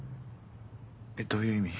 えっどういう意味？